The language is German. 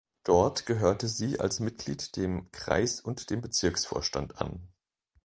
Dort gehörte sie als Mitglied dem Kreis- und dem Bezirksvorstand an.